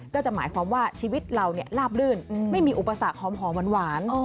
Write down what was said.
จะหมายความว่าชีวิตเราลาบลื่นไม่มีอุปสรรคหอมหวาน